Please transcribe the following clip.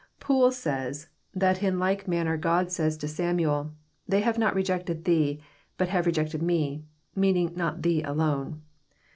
Poole says, that in like manner God says to Samuel, They have not rejected thee, but have rejected Me," meaning not thee alone.